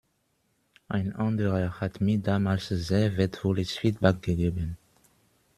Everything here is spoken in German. Ein anderer hat mir damals sehr wertvolles Feedback gegeben.